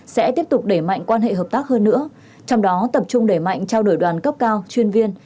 sẽ tiếp tục đẩy mạnh quan hệ hợp tác hơn nữa trong đó tập trung đẩy mạnh trao đổi đoàn cấp cao chuyên viên